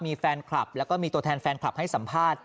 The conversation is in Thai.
มีแฟนคลับแล้วก็มีตัวแทนแฟนคลับให้สัมภาษณ์